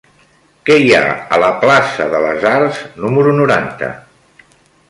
Què hi ha a la plaça de les Arts número noranta?